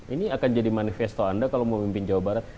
ini akan jadi manifesto anda kalau memimpin jawa barat